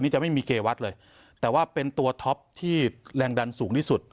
นี่จะไม่มีเกวัตเลยแต่ว่าเป็นตัวท็อปที่แรงดันสูงที่สุด